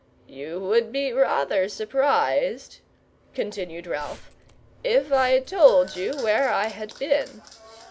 "You would be rather surprised," continued Ralph, "if I told you where I had been."